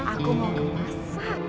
aku mau ke pasar